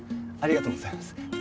ありがとうございます。